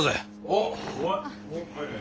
おっ。